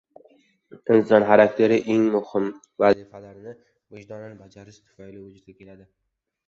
Inson xarakteri eng muhim vazifalarni vijdonan bajarish tufayli vujudga keladi.